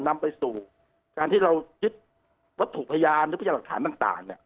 มันนำไปสู่การที่เราคิดวัตถุพยานหรือวัตถุพยารักษานต่างเนี่ย